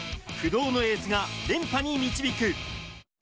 不動のエースが連覇に導く。